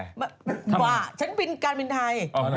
ว่ะฉันการบินไทย